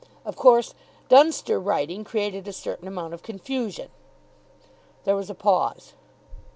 Of course, Dunster writing created a certain amount of confusion." There was a pause.